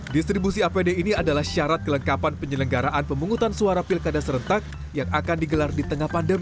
distribusi apd ini adalah syarat kelengkapan penyelenggaraan pemungutan suara pilkada serentak yang akan digelar di tengah pandemi